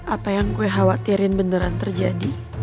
apa yang gue khawatirin beneran terjadi